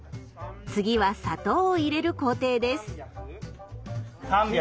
次は砂糖を入れる工程です。